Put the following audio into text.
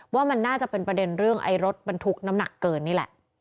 ว่ามันน่าจะเป็นประเด็นเรื่องไอ้รถบรรทุกน้ำหนักเกินนี่แหละ